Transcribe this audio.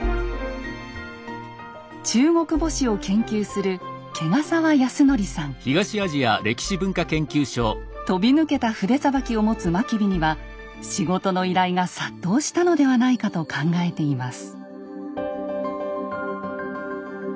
中国墓誌を研究する飛び抜けた筆さばきを持つ真備には仕事の依頼が殺到したのではないかと考えています。